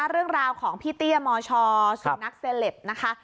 เรื่องราวของพี่เตี้ยมชสุนัขเซลปนะคะ